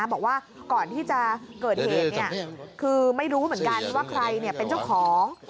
บอกว่าก่อนที่จะเกิดเหตุคือไม่รู้เหมือนกันว่าใครเป็นเจ้าของ